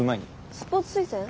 スポーツ推薦？